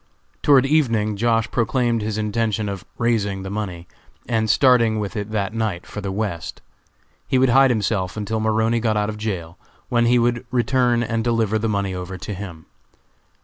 Toward evening Josh. proclaimed his intention of "raising" the money, and starting with it that night for the West. He would hide himself until Maroney got out of jail, when he would return and deliver the money over to him.